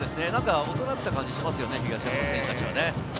大人びた感じがしますよね、東山の選手たちは。